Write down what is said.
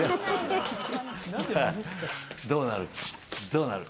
どうなる？